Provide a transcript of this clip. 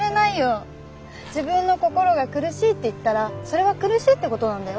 自分の心が苦しいって言ったらそれは苦しいってことなんだよ。